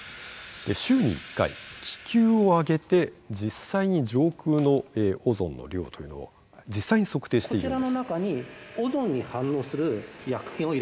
週に１回気球を上げて実際に上空のオゾンの量というのを実際に測定しているんです。